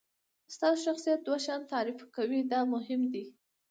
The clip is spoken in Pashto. ستاسو شخصیت دوه شیان تعریف کوي دا مهم دي.